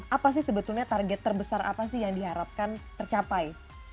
apa sih sebetulnya target terbesar apa sih yang diharapkan tercapai